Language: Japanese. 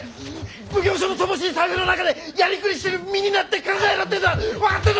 奉行所の乏しい財布の中でやりくりしてる身になって考えろってんだ！